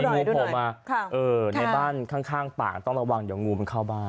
งูโผล่มาในบ้านข้างป่าต้องระวังเดี๋ยวงูมันเข้าบ้าน